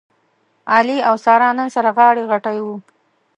علي او ساره نن سره غاړه غټۍ و.